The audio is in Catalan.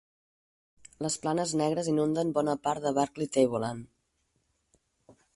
Les planes negres inunden bona part de Barkly Tableland.